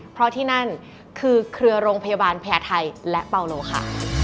เพราะที่นั่นคือเครือโรงพยาบาลแพร่ไทยและเปาโลค่ะ